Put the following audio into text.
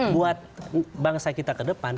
buat bangsa kita ke depan